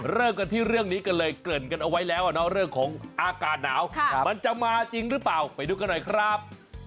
เริ่มกันที่เรื่องนี้กันเลยเกริ่นกันเอาไว้แล้วเรื่องของอากาศหนาวมันจะมาจริงหรือเปล่าไปดูกันหน่อยครับ